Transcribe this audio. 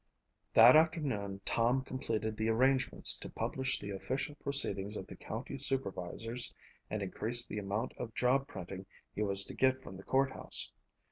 That afternoon Tom completed the arrangements to publish the official proceedings of the county supervisors and increased the amount of job printing he was to get from the courthouse.